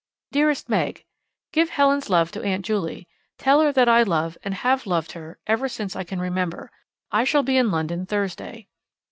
Dearest Meg, Give Helen's love to Aunt Juley. Tell her that I love, and have loved, her ever since I can remember. I shall be in London Thursday.